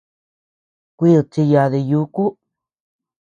Kuid chiyadi yúku.